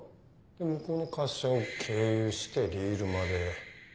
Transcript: で向こうの滑車を経由してリールまで。